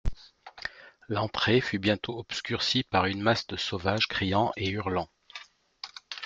L'entrée fut bientôt obscurcie par une masse de sauvages criant et hurlant.